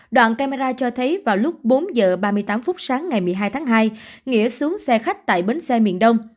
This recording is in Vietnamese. đoạn camera cho thấy vào lúc bốn h ba mươi tám phút sáng ngày một mươi hai tháng hai nghĩa xuống xe khách tại bến xe miền đông